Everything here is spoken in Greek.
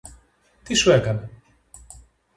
Τι σου έκανε;